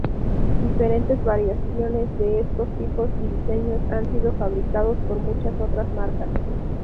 Diferentes variaciones de estos tipos y diseños han sido fabricados por muchas otras marcas.